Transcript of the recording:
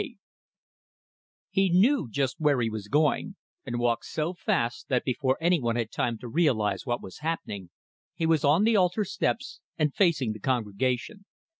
XXXVIII He knew just where he was going, and walked so fast that before anyone had time to realize what was happening, he was on the altar steps, and facing the congregation.